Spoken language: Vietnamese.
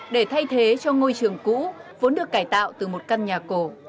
để thay thế cho ngôi trường cũ vốn được cải tạo từ một căn nhà cổ